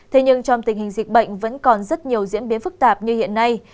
thế nhưng trong tình hình dịch bệnh vẫn còn rất nhiều diễn biến phức tạp như hiện nay